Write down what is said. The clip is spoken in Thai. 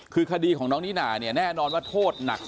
คือคดีของน้องนิน่าเนี่ยแน่นอนว่าโทษหนัก